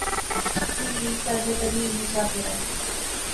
میں منت ترلے کری انیں چاء پیرائی